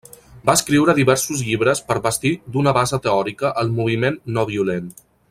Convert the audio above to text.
Va escriure diversos llibres per bastir d'una base teòrica el moviment no-violent.